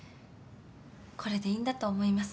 これでいいんだと思います。